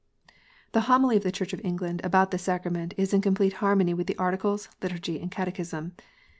The Homily of the Church of England about the sacrament is in complete harmony with the Articles, Liturgy, and Cate chism.